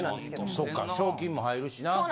そっか賞金も入るしな。